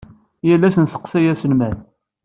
Yal ass nesseqsay aselmad.